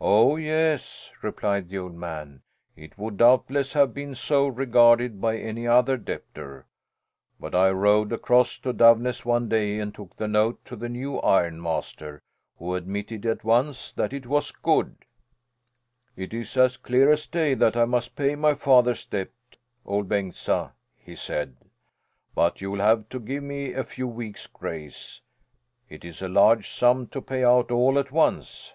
"Oh, yes," replied the old man, "it would doubtless have been so regarded by any other debtor. But I rowed across to Doveness one day and took the note to the new ironmaster, who admitted at once that it was good. 'It's as clear as day that I must pay my father's debt, Ol' Bengtsa,' he said. 'But you'll have to give me a few weeks' grace. It is a large sum to pay out all at once.'"